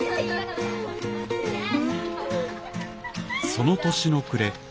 その年の暮れ